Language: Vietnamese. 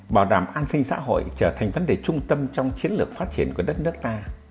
bảo đảm an sinh xã hội trở thành vấn đề trung tâm trong chiến lược phát triển của đất nước ta